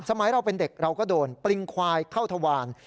สมัยเราเป็นเด็กเราก็โดนปริงควายเข้าทวาร